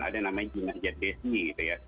ada yang namanya jina jatdesi gitu ya